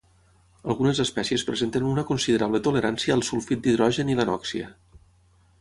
Algunes espècies presenten una considerable tolerància al sulfit d'hidrogen i l'anòxia